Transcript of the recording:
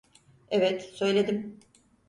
Evet, söyledim.